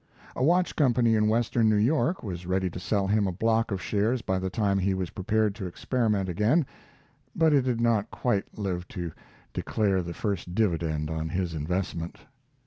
A watch company in western New York was ready to sell him a block of shares by the time he was prepared to experiment again, but it did not quite live to declare the first dividend on his investment.